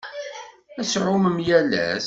Ad ttɛumun yal ass.